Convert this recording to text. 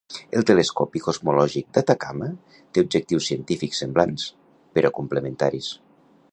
El telescopi cosmològic d'Atacama té objectius científics semblants, però complementaris.